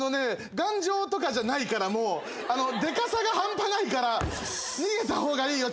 頑丈とかじゃないからもうでかさが半端ないから逃げた方がいいよ